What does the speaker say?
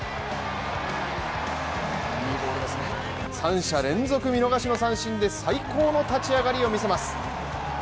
３者連続見逃し三振で最高の立ち上がりを見せます。